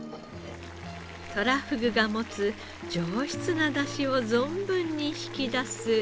とらふぐが持つ上質な出汁を存分に引き出す鍋。